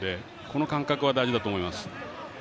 この感覚は大事だと思います。